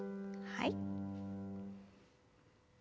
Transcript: はい。